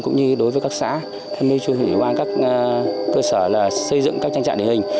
cũng như đối với các xã thêm như chung hữu quan các cơ sở xây dựng các trang trại địa hình